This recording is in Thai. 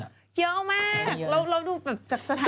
เยอะมากเราดูแบบสถานีว่างขวา